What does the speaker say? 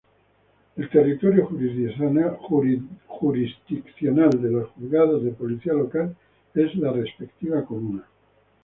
El territorio jurisdiccional de los juzgados de policía local es la respectiva comuna.